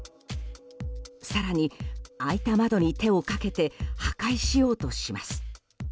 更に開いた窓に手をかけて破壊しようとします。